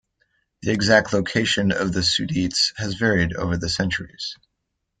The exact location of the Sudetes has varied over the centuries.